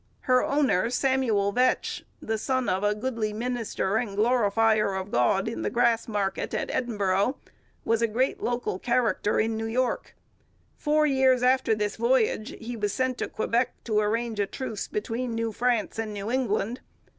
Her owner, Samuel Vetch, the son of a 'Godly Minister and Glorifier of God in the Grass Market' in Edinburgh, was a great local character in New York. Four years after this voyage he was sent to Quebec to arrange a truce between New France and New England.